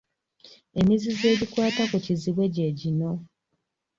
Emizizo egikwata ku Kiziibwe gye gino;